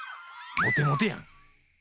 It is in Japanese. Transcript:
モテモテやん！